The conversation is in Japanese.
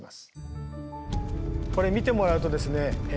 これ見てもらうとですね